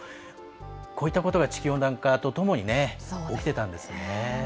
こういったことが地球温暖化とともに起きてたんですね。